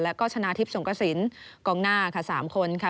แล้วก็ชนะทิพย์สงกระสินกองหน้าค่ะ๓คนค่ะ